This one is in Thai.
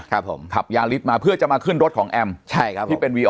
ครับผมขับยาลิสมาเพื่อจะมาขึ้นรถของแอมใช่ครับที่เป็นวีอ